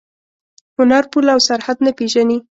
هنر پوله او سرحد نه پېژني.